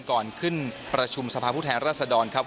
ก่อนขึ้นประชุมสภาพผู้แทนรัศดรครับ